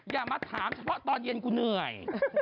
อย่ามาถามเฉพาะตอนเย็นกูเหนื่อย